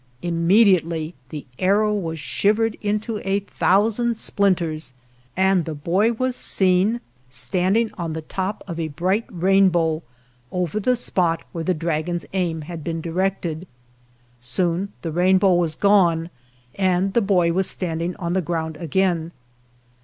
Immediately the arrow was shivered into a thousand splinters, and the boy was seen standing on the top of a bright rainbow over the spot where the dragon's aim had been directed. Soon the rainbow was gone and the boy was standing on the ground again.